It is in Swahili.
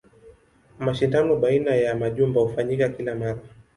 Mashindano baina ya majumba hufanyika kila mara.